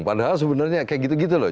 padahal sebenarnya kayak gitu gitu loh